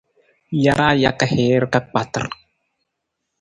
Jaraa jaka hiir ka kpatar.